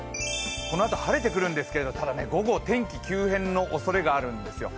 このあと晴れてくるんですけれども、ただ、午後天気急変のおそれがあるんですよ。